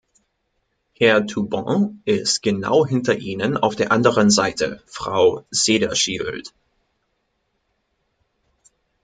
Herr Toubon ist genau hinter Ihnen auf der anderen Seite, Frau Cederschiöld.